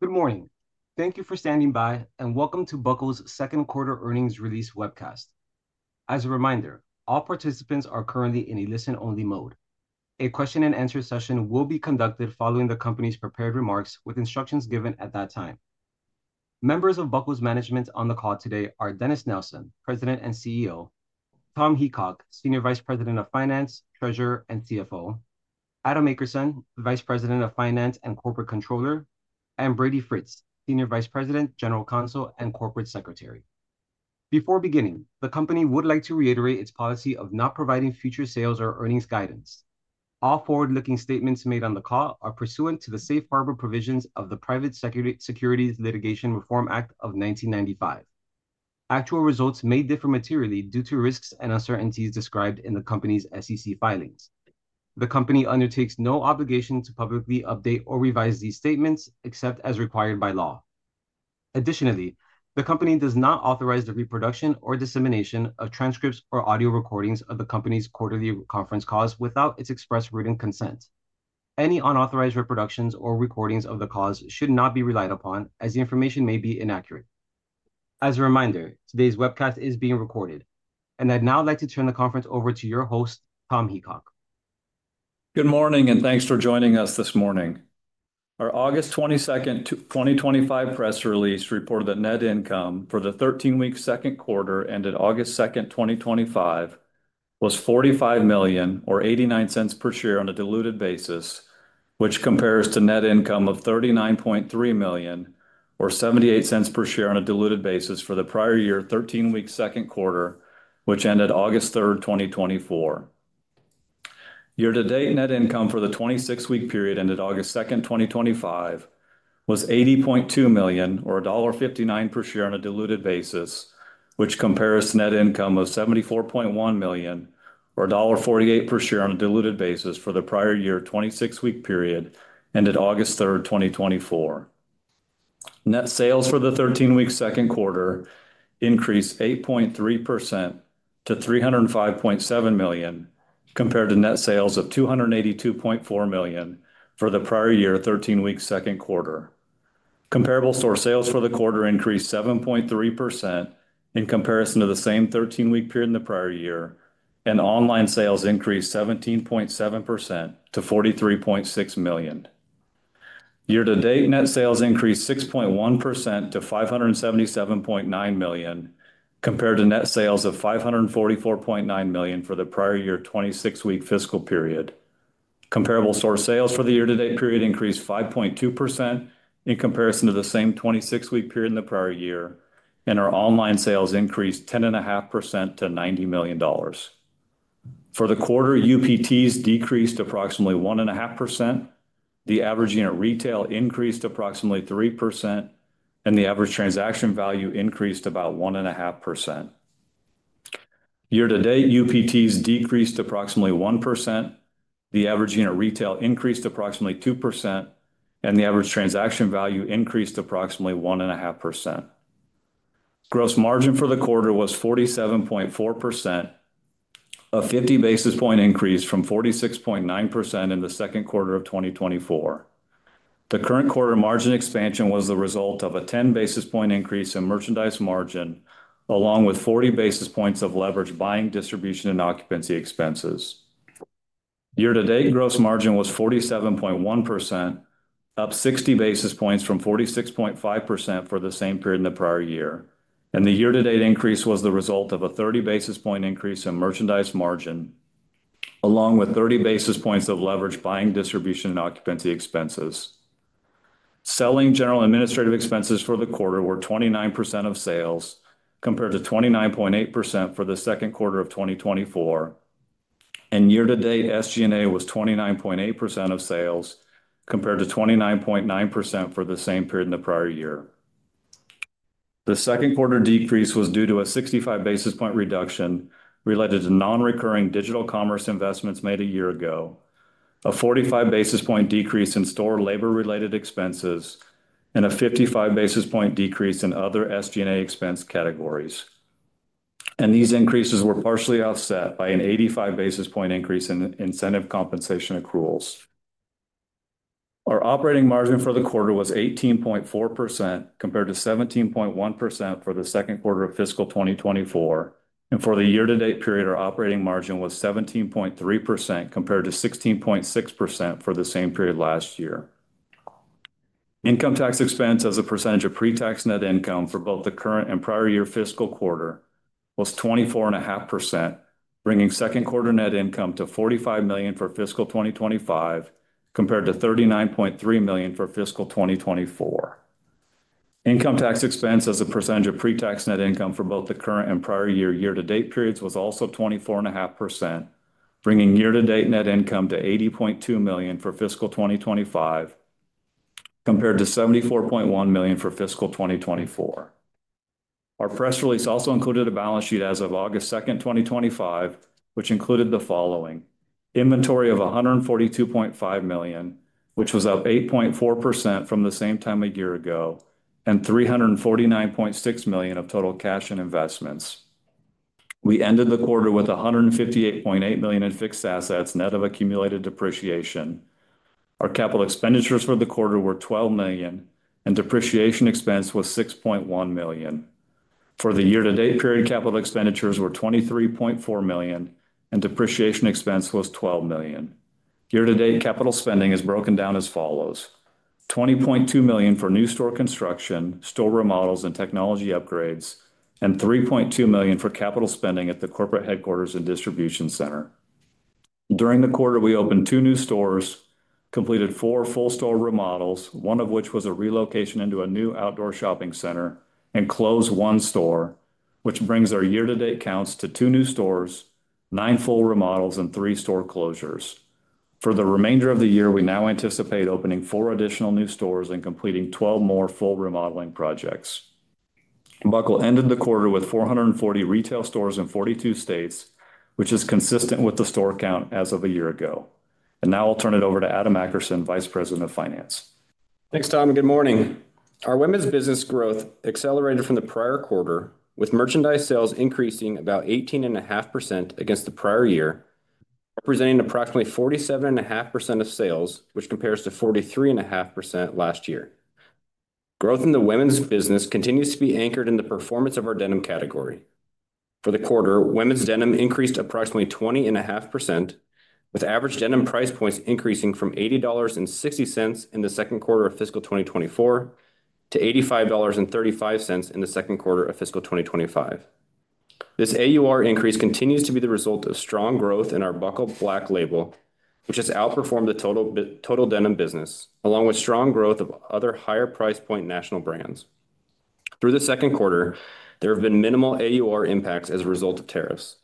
Good morning. Thank you for standing by, and welcome to Buckle's Second Quarter Earnings Release Webcast. As a reminder, all participants are currently in a listen-only mode. A question-and-answer session will be conducted following the company's prepared remarks, with instructions given at that time. Members of Buckle's management on the call today are Dennis Nelson, President and CEO, Tom Heacock, Senior Vice President of Finance, Treasurer, and CFO, Adam Akerson, the Vice President of Finance and Corporate Controller, and Brady Fritz, Senior Vice President, General Counsel, and Corporate Secretary. Before beginning, the company would like to reiterate its policy of not providing future sales or earnings guidance. All forward-looking statements made on the call are pursuant to the safe harbor provisions of the Private Securities Litigation Reform Act of 1995. Actual results may differ materially due to risks and uncertainties described in the company's SEC filings. The company undertakes no obligation to publicly update or revise these statements except as required by law. Additionally, the company does not authorize the reproduction or dissemination of transcripts or audio recordings of the company's quarterly conference calls without its express written consent. Any unauthorized reproductions or recordings of the calls should not be relied upon, as the information may be inaccurate. As a reminder, today's webcast is being recorded, and I'd now like to turn the conference over to your host, Thomas Heacock. Good morning and thanks for joining us this morning. Our August 22nd, 2025, press release reported that net income for the 13-week second quarter ended August 2nd, 2025, was $45 million or $0.89 per share on a diluted basis, which compares to net income of $39.3 million or $0.78 per share on a diluted basis for the prior year's 13-week second quarter, which ended August 3rd, 2024. Year-to-date net income for the 26-week period ended August 2nd, 2025, was $80.2 million or $1.59 per share on a diluted basis, which compares to net income of $74.1 million or $1.48 per share on a diluted basis for the prior year's 26-week period ended August 3rd, 2024. Net sales for the 13-week second quarter increased 8.3% to $305.7 million, compared to net sales of $282.4 million for the prior year's 13-week second quarter. Comparable store sales for the quarter increased 7.3% in comparison to the same 13-week period in the prior year, and online sales increased 17.7% to $43.6 million. Year-to-date net sales increased 6.1% to $577.9 million, compared to net sales of $544.9 million for the prior year's 26-week fiscal period. Comparable store sales for the year-to-date period increased 5.2% in comparison to the same 26-week period in the prior year, and our online sales increased 10.5% to $90 million. For the quarter, UPTs decreased approximately 1.5%, the average unit retail increased approximately 3%, and the average transaction value increased about 1.5%. Year-to-date UPTs decreased approximately 1%, the average unit retail increased approximately 2%, and the average transaction value increased approximately 1.5%. Gross margin for the quarter was 47.4%, a 50 basis point increase from 46.9% in the second quarter of 2024. The current quarter margin expansion was the result of a 10 basis point increase in merchandise margin, along with 40 basis points of leverage buying, distribution, and occupancy expenses. Year-to-date gross margin was 47.1%, up 60 basis points from 46.5% for the same period in the prior year. The year-to-date increase was the result of a 30 basis point increase in merchandise margin, along with 30 basis points of leverage buying, distribution, and occupancy expenses. Selling, general, and administrative expenses for the quarter were 29% of sales, compared to 29.8% for the second quarter of 2024, and year-to-date SG&A was 29.8% of sales, compared to 29.9% for the same period in the prior year. The second quarter decrease was due to a 65 basis point reduction related to non-recurring digital commerce investments made a year ago, a 45 basis point decrease in store labor-related expenses, and a 55 basis point decrease in other SG&A expense categories. These increases were partially offset by an 85 basis point increase in incentive compensation accruals. Our operating margin for the quarter was 18.4%, compared to 17.1% for the second quarter of fiscal 2024, and for the year-to-date period, our operating margin was 17.3%, compared to 16.6% for the same period last year. Income tax expense as a percentage of pre-tax net income for both the current and prior year fiscal quarter was 24.5%, bringing second quarter net income to $45 million for fiscal 2025, compared to $39.3 million for fiscal 2024. Income tax expense as a percentage of pre-tax net income for both the current and prior year year-to-date periods was also 24.5%, bringing year-to-date net income to $80.2 million for fiscal 2025, compared to $74.1 million for fiscal 2024. Our press release also included a balance sheet as of August 2nd, 2025, which included the following, inventory of $142.5 million, which was up 8.4% from the same time a year ago and $349.6 million of total cash and investments. We ended the quarter with $158.8 million in fixed assets, net of accumulated depreciation. Our capital expenditures for the quarter were $12 million, and depreciation expense was $6.1 million. For the year-to-date period, capital expenditures were $23.4 million and depreciation expense was $12 million. Year-to-date capital spending is broken down as follows, $20.2 million for new store construction, store remodels and technology upgrades, and $3.2 million for capital spending at the corporate headquarters and distribution center. During the quarter, we opened two new stores, completed four full store remodels, one of which was a relocation into a new outdoor shopping center, and closed one store, which brings our year-to-date counts to two new stores, nine full remodels, and three store closures. For the remainder of the year, we now anticipate opening four additional new stores, and completing 12 more full remodeling projects. The Buckle ended the quarter with 440 retail stores in 42 states, which is consistent with the store count as of a year ago. Now I'll turn it over to Adam Akerson, Vice President of Finance. Thanks, Tom, and good morning. Our women's business growth accelerated from the prior quarter, with merchandise sales increasing about 18.5% against the prior year, presenting approximately 47.5% of sales, which compares to 43.5% last year. Growth in the women's business continues to be anchored in the performance of our denim category. For the quarter, women's denim increased approximately 20.5%, with average denim price points increasing from $80.60 in the second quarter of fiscal 2024 to $85.35 in the second quarter of fiscal 2025. This AUR increase continues to be the result of strong growth in our Buckle [Black] label, which has outperformed the total denim business, along with strong growth of other higher price point national brands. Through the second quarter, there have been minimal AUR impacts as a result of tariffs.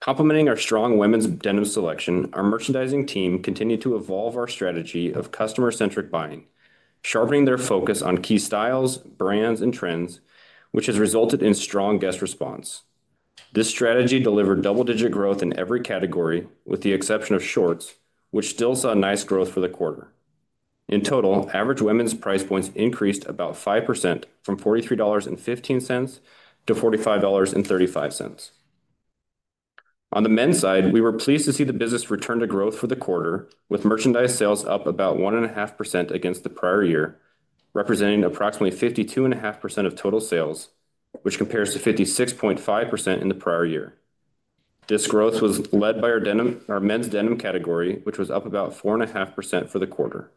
Complementing our strong women's denim selection, our merchandising team continued to evolve our strategy of customer-centric buying, sharpening their focus on key styles, brands, and trends, which has resulted in strong guest response. This strategy delivered double-digit growth in every category, with the exception of shorts, which still saw nice growth for the quarter. In total, average women's price points increased about 5%, from $43.15 to $45.35. On the men's side, we were pleased to see the business return to growth for the quarter, with merchandise sales up about 1.5% against the prior year, representing approximately 52.5% of total sales, which compares to 56.5% in the prior year. This growth was led by our men's denim category, which was up about 4.5% for the quarter.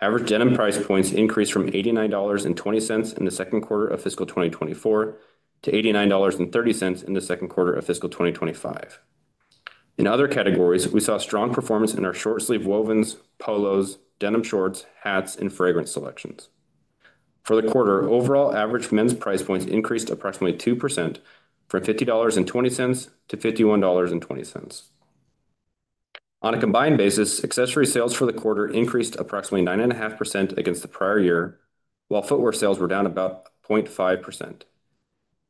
Average denim price points increased from $89.20 in the second quarter of fiscal 2024 to $89.30 in the second quarter of fiscal 2025. In other categories, we saw strong performance in our short-sleeve wovens, polos, denim shorts, hats, and fragrance selections. For the quarter, overall average men's price points increased approximately 2%, from $50.20 to $51.20. On a combined basis, accessory sales for the quarter increased approximately 9.5% against the prior year, while footwear sales were down about 0.5%.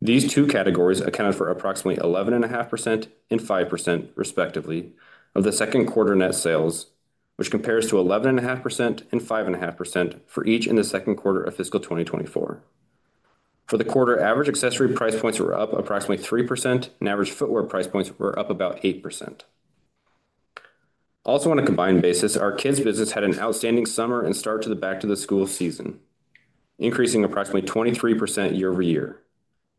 These two categories accounted for approximately 11.5% and 5%, respectively, of the second quarter net sales, which compares to 11.5% and 5.5% for each in the second quarter of fiscal 2024. For the quarter, average accessory price points were up approximately 3%, and average footwear price points were up about 8%. Also, on a combined basis, our kids' business had an outstanding summer and start to the back-to-school season, increasing approximately 23% year-over-year.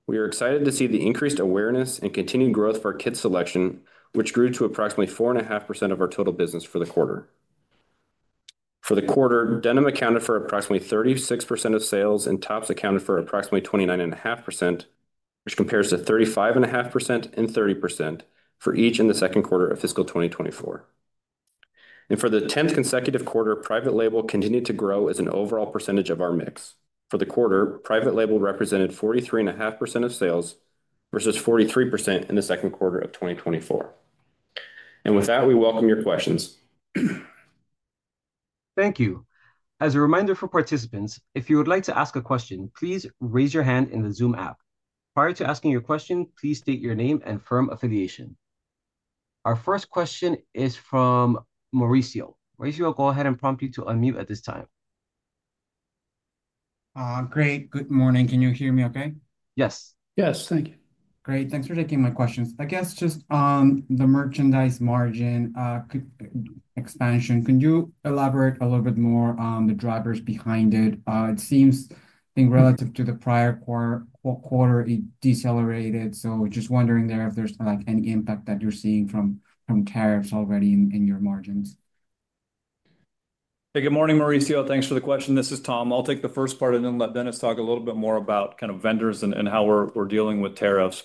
We are excited to see the increased awareness and continued growth for our kids' selection, which grew to approximately 4.5% of our total business for the quarter. For the quarter, denim accounted for approximately 36% of sales, and tops accounted for approximately 29.5%, which compares to 35.5% and 30% for each in the second quarter of fiscal 2024. For the 10th consecutive quarter, private label continued to grow as an overall percentage of our mix. For the quarter, private label represented 43.5% of sales versus 43% in the second quarter of 2024. With that, we welcome your questions. Thank you. As a reminder for participants, if you would like to ask a question, please raise your hand in the Zoom app. Prior to asking your question, please state your name and firm affiliation. Our first question is from Mauricio. Mauricio, go ahead and I prompt you to unmute at this time. Great, good morning. Can you hear me okay? Yes. Yes, thank you. Great. Thanks for taking my questions. I guess just on the merchandise margin expansion, could you elaborate a little bit more on the drivers behind it? It seems, I think relative to the prior quarter, it decelerated. Just wondering there if there's any impact that you're seeing from tariffs already in your margins. Hey, good morning, Mauricio. Thanks for the question. This is Tom. I'll take the first part, and then let Dennis talk a little bit more about vendors and how we're dealing with tariffs.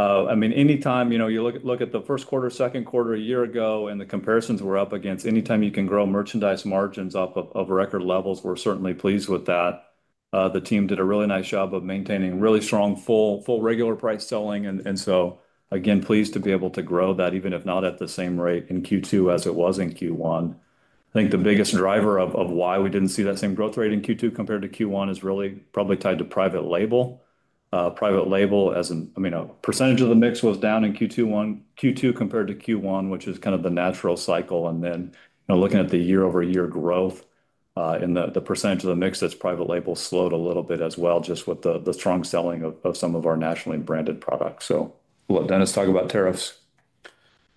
I mean, anytime you look at the first quarter, second quarter a year ago and the comparisons we're up against, anytime you can grow merchandise margins up off record levels, we're certainly pleased with that. The team did a really nice job of maintaining really strong full regular price selling. Again, pleased to be able to grow that, even if not at the same rate in Q2 as it was in Q1. I think the biggest driver of why we didn't see that same growth rate in Q2 compared to Q1 is really probably tied to private label. Private label, as in, I mean, a percentage of the mix was down in Q2 compared to Q1, which is the natural cycle. Looking at the year-over-year growth in the percentage of the mix, it's, private label slowed a little bit as well just with the strong selling of some of our nationally branded products. I'll let Dennis talk about tariffs.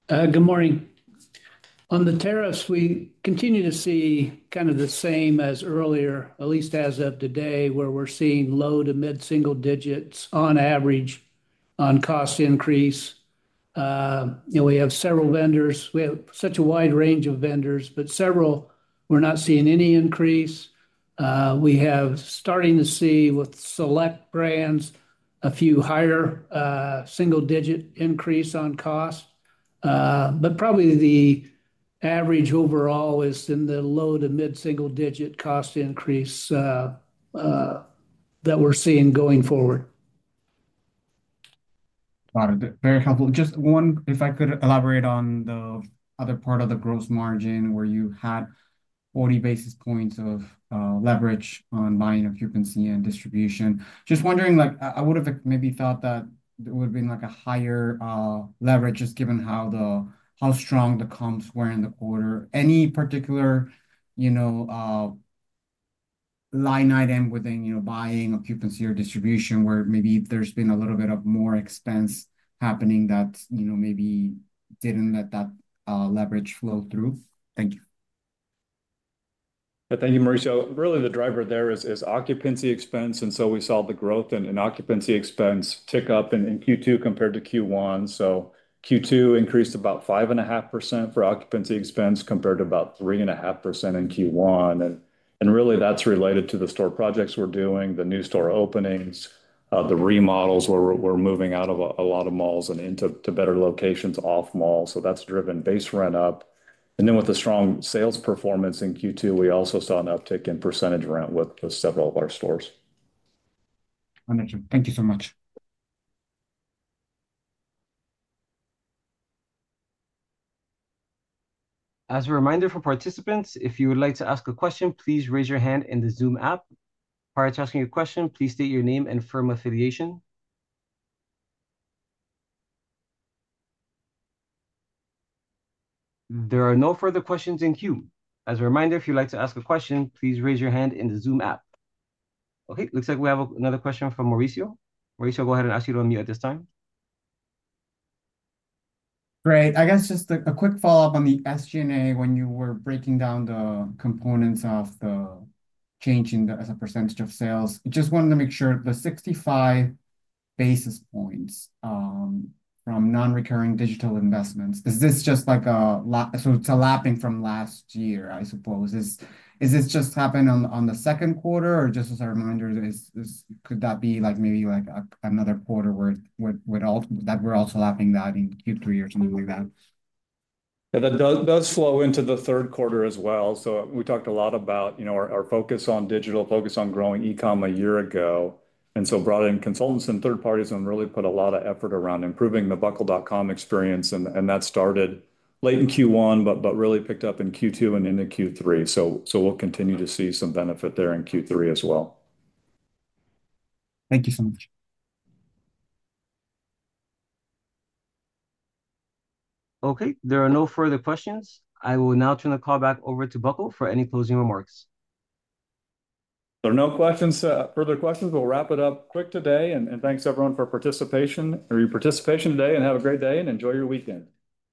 Good morning. On the tariffs, we continue to see the same as earlier, at least as of today, where we're seeing low to mid-single digits on average on cost increase. We have several vendors. We have such a wide range of vendors, but several, we're not seeing any increase. We have started to see with select brands a few higher single-digit increase on cost. Probably the average overall is in the low to mid-single-digit cost increase that we're seeing going forward. Got it. Very helpful. Just one, if I could elaborate on the other part of the gross margin where you had 40 basis points of leverage on buying, occupancy, and distribution. Just wondering, like I would have maybe thought that it would have been like a higher leverage, just given how strong the comps were in the quarter. Any particular line item within buying, occupancy, or distribution where maybe there's been a little bit of more expense happening, that maybe didn't let that leverage flow through? Thank you. Thank you, Mauricio. Really, the driver there is occupancy expense. We saw the growth in occupancy expense tick up in Q2 compared to Q1. Q2 increased about 5.5% for occupancy expense compared to about 3.5% in Q1. Really, that's related to the store projects we're doing, the new store openings, the remodels where we're moving out of a lot of malls and into better locations off malls. That's driven base rent up. With the strong sales performance in Q2, we also saw an uptick in percentage rent with several of our stores. Wonderful. Thank you so much. As a reminder for participants, if you would like to ask a question, please raise your hand in the Zoom app. Prior to asking your question, please state your name and firm affiliation. There are no further questions in queue. As a reminder, if you'd like to ask a question, please raise your hand in the Zoom app. Okay, looks like we have another question from Mauricio. Mauricio, go ahead. I'll ask you to unmute at this time. Great. I guess just a quick follow-up on the SG&A when you were breaking down the components of the change as a percentage of sales, I just wanted to make sure, the 65 basis points from non-recurring digital investments, is it a lapping from last year, I suppose? Is this just happening on the second quarter or just as a reminder, could that be maybe like another quarter where we're also lapping that in Q3 or something like that? Yeah. That does flow into the third quarter as well. We talked a lot about, our focus on digital, focus on growing e-comm a year ago. Brought in consultants and third parties, and really put a lot of effort around improving the Buckle.com experience. That started late in Q1, but really picked up in Q2 and into Q3. We'll continue to see some benefit there in Q3 as well. Thank you so much. Okay, there are no further questions. I will now turn the call back over to Buckle for any closing remarks. No further questions. We'll wrap it up quick today. Thanks everyone for your participation today, and have a great day and enjoy your weekend.